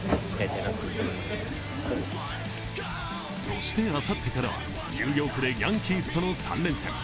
そして、あさってからはニューヨークでヤンキースとの３連戦。